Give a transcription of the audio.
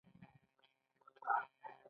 په دې پیړۍ کې لوی برجونه هم جوړ شول.